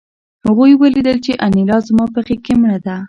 هغوی ولیدل چې انیلا زما په غېږ کې مړه ده